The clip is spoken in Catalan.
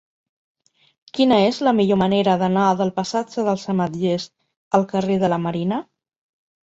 Quina és la millor manera d'anar del passatge dels Ametllers al carrer de la Marina?